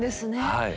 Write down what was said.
はい。